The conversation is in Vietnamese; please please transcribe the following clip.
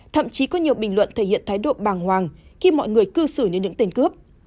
thậm chí có nhiều bình luận thể hiện thái độ bàng hoàng khi mọi người cư xử lên những tên cướp